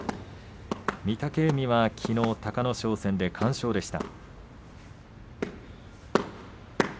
御嶽海はきのう隆の勝戦で完勝でした。